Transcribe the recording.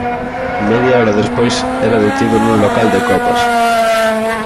Media hora despois era detido nun local de copas.